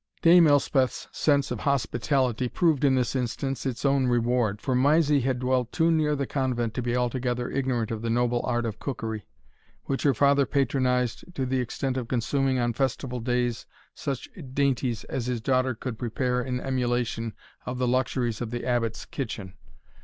Dame Elspeth's sense of hospitality proved in this instance its own reward; for Mysie had dwelt too near the Convent to be altogether ignorant of the noble art of cookery, which her father patronized to the extent of consuming on festival days such dainties as his daughter could prepare in emulation of the luxuries of the Abbot's kitchen.